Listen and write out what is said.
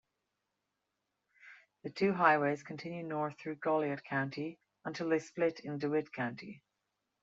The two highways continue north through Goliad County until they split in DeWitt County.